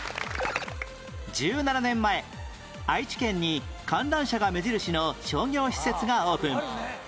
１７年前愛知県に観覧車が目印の商業施設がオープン